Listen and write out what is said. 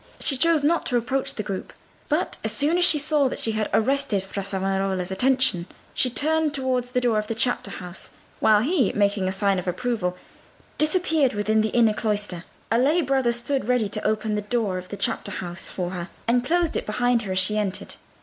She chose not to approach the group, but as soon as she saw that she had arrested Fra Salvestro's attention, she turned towards the door of the chapter house, while he, making a sign of approval, disappeared within the inner cloister. A lay Brother stood ready to open the door of the chapter house for her, and closed it behind her as she entered.